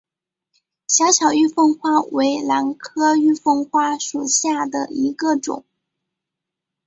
小巧玉凤花为兰科玉凤花属下的一个种。